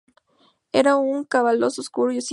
Era un calabozo oscuro y sin luz.